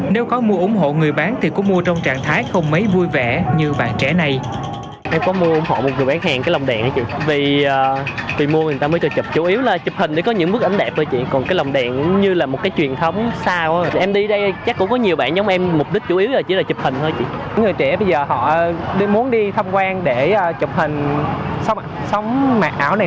nếu có mua ủng hộ người bán thì cũng mua trong trạng thái không mấy vui vẻ như bạn trẻ này